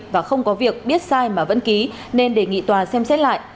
và không có việc biết sai mà vẫn ký nên đề nghị tòa xem xét lại